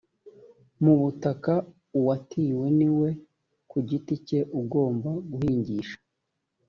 mu butaka uwatiwe ni we ku giti cye ugomba guhingisha